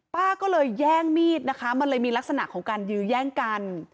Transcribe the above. ป้าก็เลยแย่งมีดนะคะมันเลยมีลักษณะของการยื้อแย่งกัน